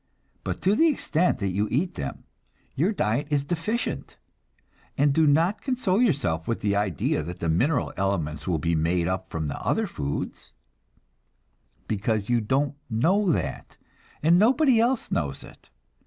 But to the extent that you eat them, your diet is deficient; and do not console yourself with the idea that the mineral elements will be made up from other foods, because you don't know that, and nobody else knows it.